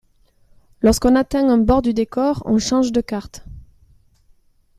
Lorsqu'on atteint un bord du décor, on change de carte.